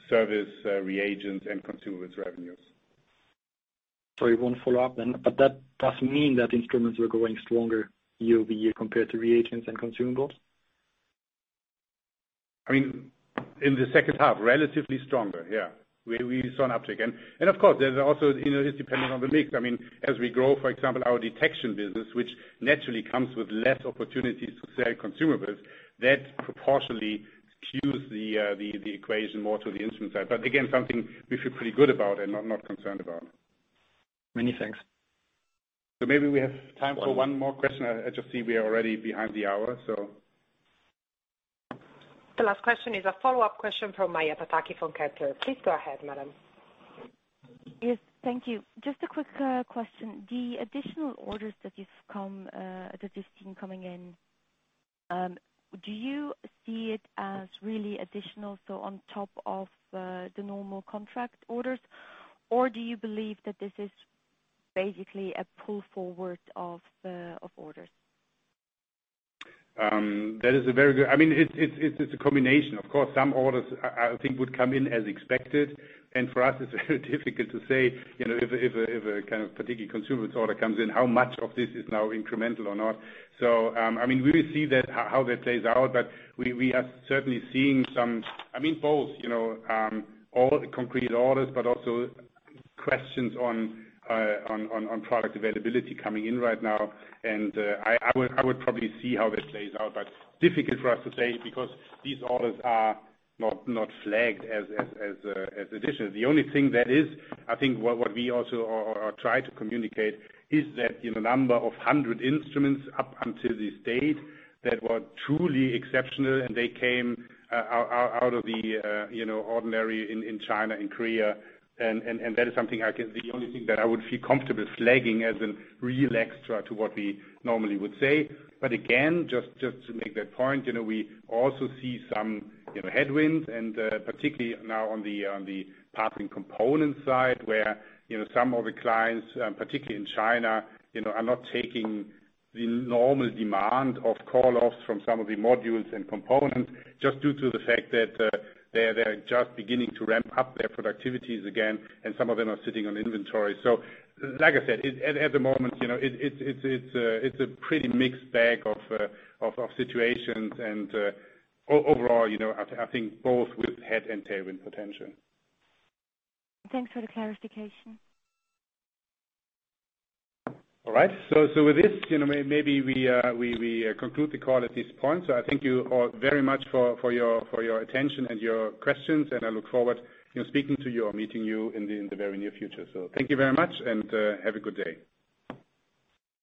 service, reagents, and consumables revenues. Sorry, one follow-up then. That does mean that instruments were growing stronger year-over-year compared to reagents and consumables? In the second half, relatively stronger, yeah. We saw an uptick. Of course, it's dependent on the mix. As we grow, for example, our detection business, which naturally comes with less opportunities to sell consumables, that proportionally skews the equation more to the instrument side. Again, something we feel pretty good about and I'm not concerned about. Many thanks. Maybe we have time for one more question. I just see we are already behind the hour. The last question is a follow-up question from Maja Pataki from Kepler. Please go ahead, madam. Yes. Thank you. Just a quick question. The additional orders that you've seen coming in, do you see it as really additional, so on top of the normal contract orders, or do you believe that this is basically a pull forward of orders? That is a very good. It's a combination. Of course, some orders I think would come in as expected. For us, it's very difficult to say if a kind of particular consumer's order comes in, how much of this is now incremental or not. We will see how that plays out, but we are certainly seeing both concrete orders but also questions on product availability coming in right now. I would probably see how that plays out, but difficult for us to say because these orders are not flagged as additional. The only thing that is, I think what we also try to communicate is that the number of 100 instruments up until this date that were truly exceptional, and they came out of the ordinary in China and Korea, and that is the only thing that I would feel comfortable flagging as a real extra to what we normally would say. Again, just to make that point, we also see some headwinds and particularly now on the Partnering components side, where some of the clients, particularly in China, are not taking the normal demand of call-offs from some of the modules and components, just due to the fact that they're just beginning to ramp up their productivities again, and some of them are sitting on inventory. Like I said, at the moment, it's a pretty mixed bag of situations and overall, I think both with head and tailwind potential. Thanks for the clarification. All right. With this, maybe we conclude the call at this point. I thank you all very much for your attention and your questions, and I look forward to speaking to you or meeting you in the very near future. Thank you very much, and have a good day.